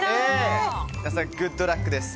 皆さん、グッドラックです。